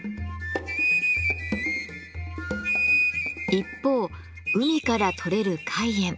一方海から採れる海塩。